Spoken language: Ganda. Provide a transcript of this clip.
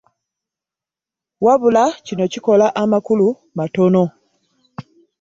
Wabula kino kikola amakulu matono